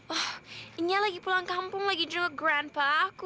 oh ini lagi pulang kampung lagi juga grandpa aku